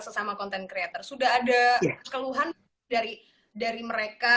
sesama content creator sudah ada keluhan dari mereka